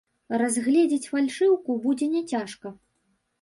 Разгледзець фальшыўку будзе няцяжка.